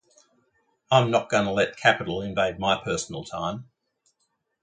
I'm not gonna let capital invade my personal time